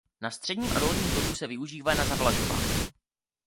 Na středním a dolním toku se využívá na zavlažování.